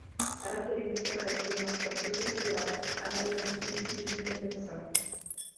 Caracteriza os processos de animação sociocultural, analisando os princípios de intervenção.